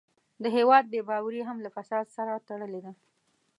د هېواد بې باوري هم له فساد سره تړلې ده.